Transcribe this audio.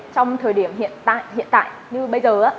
trong thời điểm hiện tại như bây giờ